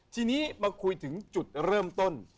ทีนี้มาคุยถึงจุดเริ่มต้น